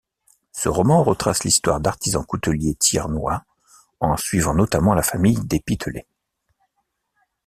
Ce roman retrace l'histoire d'artisans-couteliers thiernois en suivant notamment la famille des Pitelet.